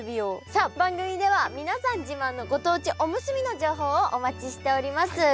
さあ番組では皆さん自慢のご当地おむすびの情報をお待ちしております。